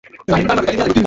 অনেক funny moment আছে।